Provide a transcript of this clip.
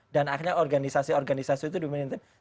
dan akhirnya organisasi organisasi itu dimenjentikan